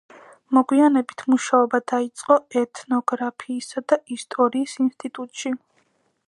მოგვიანებით მუშაობა დაიწყო ეთნოგრაფიისა და ისტორიის ინსტიტუტში.